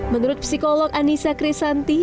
menurut psikolog anissa kresanti